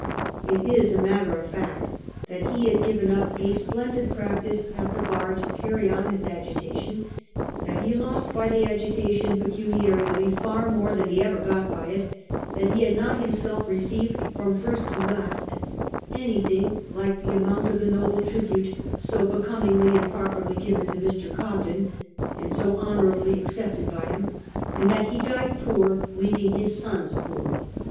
It is a matter of fact that he had given up a splendid 1843. O'CONNELL AND ENGLISH PUBLIC OPINION. 275 practice at the bar to carry on his agitation ; that he lost by the agitation, pecuniarily, far more than he ever got by it ; that he had not himself received from first to last anything like the amount of the noble tribute so becomingly and properly given to Mr. Cobden, and so honourably accepted by him; and that he died poor, leaving his sons poor.